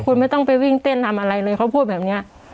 คุณไม่ต้องไปวิ่งเต้นทำอะไรเลยเขาพูดแบบนี้